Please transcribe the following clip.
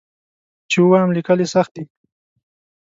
چې ووایم لیکل یې سخت دي.